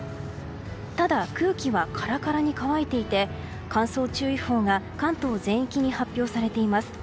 ただ、空気はカラカラに乾いていて乾燥注意報が関東全域に発表されています。